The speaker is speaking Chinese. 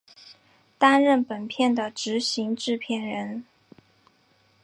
担任本片的执行制片人。